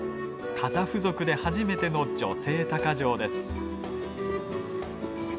カザフ族で初めての女性鷹匠です。